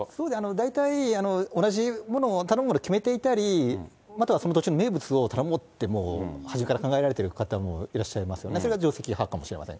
大体同じものを、頼むものを決めていたり、その土地の名物を頼もうってもう最初から考えられる方もいらっしゃいますよね、それが定跡派かもしれません。